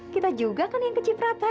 kita juga kan yang kecipratan